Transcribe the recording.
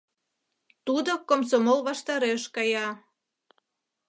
Тудо комсомол ваштареш кая.